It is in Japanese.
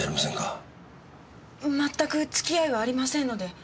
まったく付き合いはありませんので。